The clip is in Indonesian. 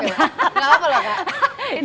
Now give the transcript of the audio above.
gak apa apa loh kak